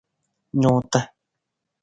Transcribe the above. Nuuta.